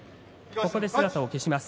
ここで姿を消します。